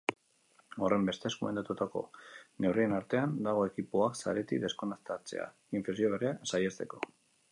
Horrenbestez, gomendatutako neurrien artean dago ekipoak saretik deskonektatzea, infekzio berriak saihesteko.